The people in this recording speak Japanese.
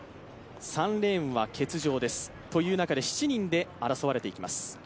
３レーンは欠場という中で７人という中で争われていきます。